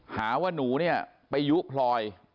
หาว่าหนูไปยู้พลอย